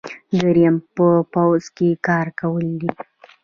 دریم په پوځ کې کار کول دي.